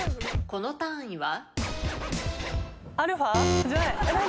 この単位は？